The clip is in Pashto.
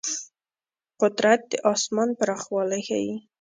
قدرت د آسمان پراخوالی ښيي.